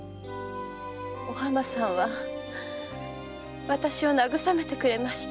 お浜さんは私を慰めてくれました。